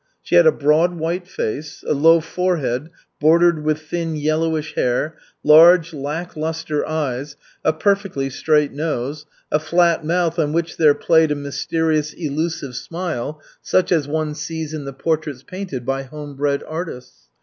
She had a broad white face, a low forehead bordered with thin yellowish hair, large lack lustre eyes, a perfectly straight nose, a flat mouth on which there played a mysterious elusive smile, such as one sees in the portraits painted by homebred artists.